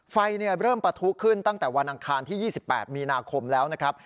ไฟเริ่มปะทุขึ้นตั้งแต่วันอังคารที่๒๘มีนาคมแล้วนะครับ